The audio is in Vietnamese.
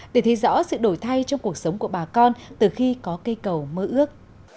để thấy rõ sự đổi thay trong cuộc sống của bà con từ khi có cây cầu mơ ước